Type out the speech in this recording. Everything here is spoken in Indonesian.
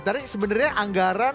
tadi sebenarnya anggaran sudah disiapkan